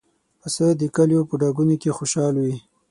پسه د کلیو په ډاګونو کې خوشحال وي.